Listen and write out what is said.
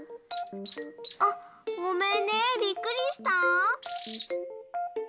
あっごめんねびっくりした？